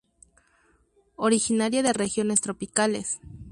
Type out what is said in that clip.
Originaria de regiones tropicales.